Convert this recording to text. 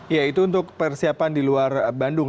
ya itu untuk persiapan di luar bandung